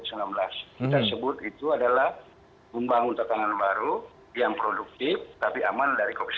kita sebut itu adalah membangun tatanan baru yang produktif tapi aman dari covid sembilan belas